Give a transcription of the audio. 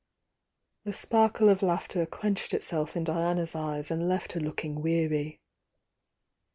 ^ The sparkle of laughter quenched itself in Diana s eyes and left her looking weary.